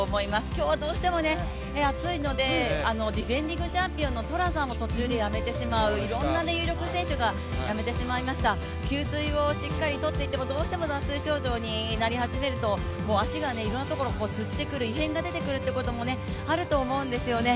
今日はどうしても暑いのでディフェンディングチャンピオンのトラさんも途中でやめてしまういろんな有力選手がやめてしまいました、給水をしっかりとっていても、どうしても脱水症状になり始めると、足がいろんなところがつってくる、異変が出てくるというのもあると思うんですよね。